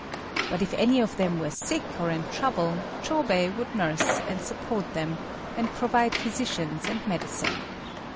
But if any of them were sick or in trouble, Chôbei would nurse and support them, and provide physicians and medicine.